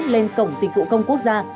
lên cổng dịch vụ công quốc gia